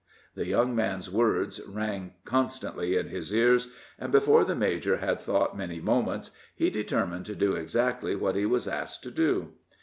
The young man's words rang constantly in his ears, and before the major had thought many moments, he determined to do exactly what he was asked to do.